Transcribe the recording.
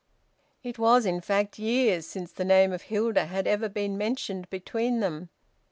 It was, in fact, years since the name of Hilda had ever been mentioned between them.